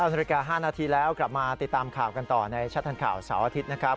นาฬิกา๕นาทีแล้วกลับมาติดตามข่าวกันต่อในชัดทางข่าวเสาร์อาทิตย์นะครับ